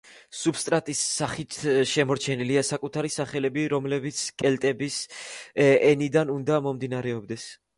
სუბსტრატის სახით შემორჩენილია საკუთარი სახელები, რომელიც კელტების ენიდან უნდა მომდინარეობდეს.